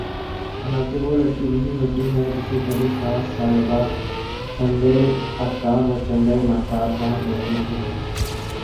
حالانکہ وہ لڑکی وہی ہوتی ہے جسے کبھی ساس صاحبہ چندے آفتاب اور چندے ماہتاب کہا کرتی تھیں